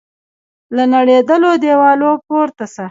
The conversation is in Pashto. له نړېدلو دیوالو پورته سه